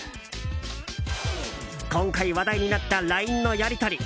今回話題になったＬＩＮＥのやり取り。